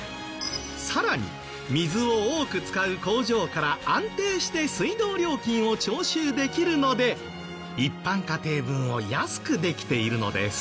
さらに水を多く使う工場から安定して水道料金を徴収できるので一般家庭分を安くできているのです。